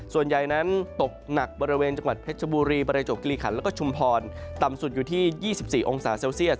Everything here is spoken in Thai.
ส่วนใหญ่นั้นตกหนักบริเวณจังหวัดเพชรบุรีประจบกิริขันแล้วก็ชุมพรต่ำสุดอยู่ที่๒๔องศาเซลเซียส